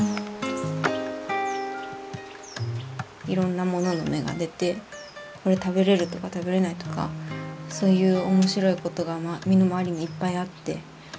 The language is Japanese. いろんなものの芽が出てこれ食べれるとか食べれないとかそういう面白いことが身の回りにいっぱいあって。